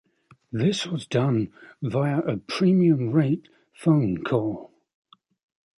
This was done via a premium rate phone call.